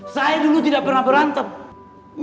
saya dulu tidak pernah berantem